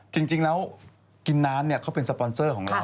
จริงแล้วกินน้ำเขาเป็นสปอนเซอร์ของเรา